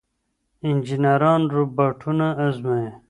انجنیران روباټونه ازمويي.